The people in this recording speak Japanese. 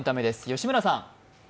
吉村さん。